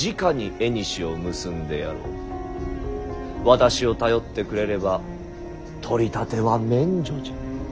私を頼ってくれれば取り立ては免除じゃ。